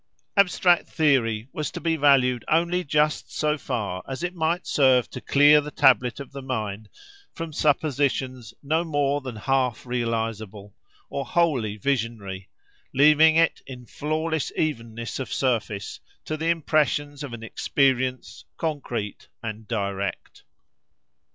Abstract theory was to be valued only just so far as it might serve to clear the tablet of the mind from suppositions no more than half realisable, or wholly visionary, leaving it in flawless evenness of surface to the impressions of an experience, concrete and direct.